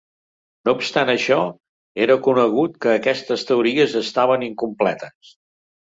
No obstant això, era conegut que aquestes teories estaven incompletes.